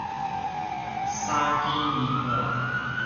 三更暝半